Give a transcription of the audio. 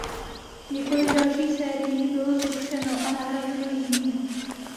Několik dalších sérií bylo zrušeno a nahrazeno jinými.